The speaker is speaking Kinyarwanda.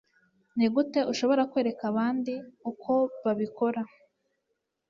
ni gute ushobora kwereka abandi uko babikora